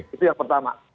itu yang pertama